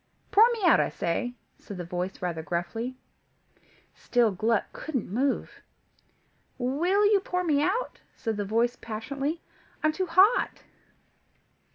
"Pour me out, I say," said the voice rather gruffly. Still Gluck couldn't move. "Will you pour me out?" said the voice passionately. "I'm too hot."